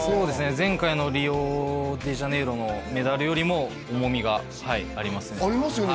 前回のリオデジャネイロのメダルよりも重みがありますねありますよね